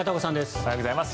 おはようございます。